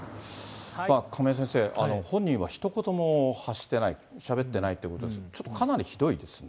亀井先生、本人はひと言も発してないと、しゃべっていないということで、ちひどいですね。